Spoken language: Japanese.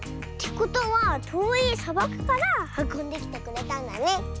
ことはとおいさばくからはこんできてくれたんだね。